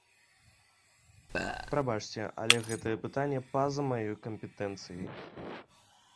Прабачце, але гэтае пытанне па-за маёй кампетэнцыяй.